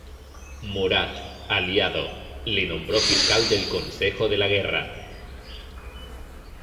Murat, aliado, le nombró fiscal del Consejo de la Guerra.